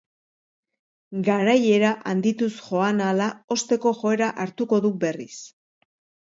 Garaiera handituz joan ahala hozteko joera hartuko du berriz.